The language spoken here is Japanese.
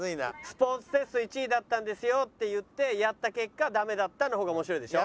「スポーツテスト１位だったんですよ」って言ってやった結果ダメだったの方が面白いでしょ。